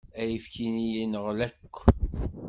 Ayefki-nni yenɣel akk.